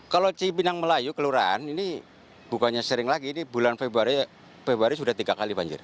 kalau cipinang melayu kelurahan ini bukannya sering lagi ini bulan februari sudah tiga kali banjir